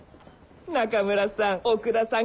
中村さん奥田さん